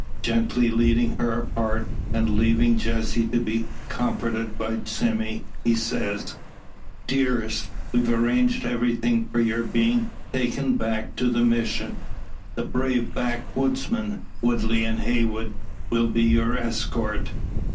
Gently leading her apart, and leaving Jessie to be comforted by Sime, he says "Dearest! we've arranged everything for your being taken back to the Mission. The brave backwoodsmen, Woodley and Heywood, will be your escort.